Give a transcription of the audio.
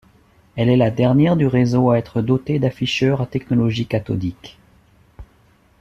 Elle est la dernière du réseau à être dotée d'afficheurs à technologie cathodique.